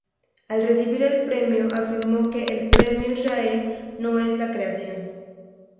Al recibir el premio afirmó que “El Premio Israel no es a la creación.